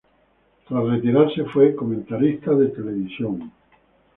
Tras retirarse, fue comentarista de televisión.